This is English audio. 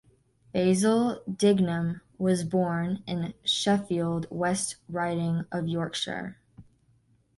Basil Dignam was born in Sheffield, West Riding of Yorkshire.